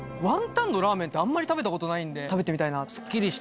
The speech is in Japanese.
ワンタンのラーメンってあんまり食べたことないんで食べてみたいな。